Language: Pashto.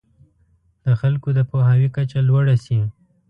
د خلکو د پوهاوي کچه لوړه شي.